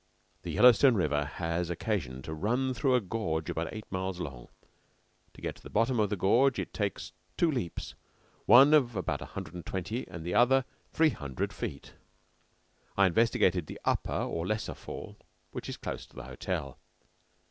The Yellowstone River has occasion to run through a gorge about eight miles long. To get to the bottom of the gorge it makes two leaps, one of about one hundred and twenty and the other of three hundred feet. I investigated the upper or lesser fall, which is close to the hotel.